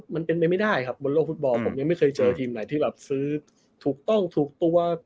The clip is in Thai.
มันเป็นไปไม่ได้ครับบนโลกฟุตบอลผมยังไม่เคยเจอทีมไหนที่แบบซื้อถูกต้องถูกตัว